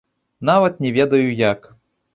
Нават не ведаю як.